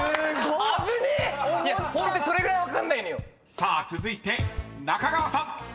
［さあ続いて中川さん］